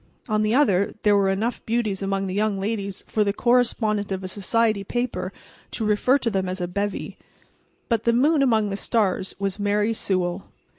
On the other there were enough beauties among the young ladies for the correspondent of a society paper to refer to them as a "bevy." But the moon among the stars was Mary Sewell.